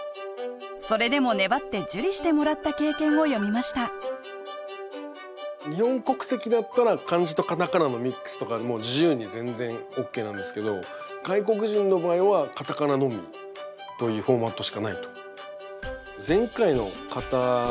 それでも粘って受理してもらった経験を詠みました日本国籍だったら漢字と片仮名のミックスとかでも自由に全然ＯＫなんですけど外国人の場合は片仮名のみというフォーマットしかないと。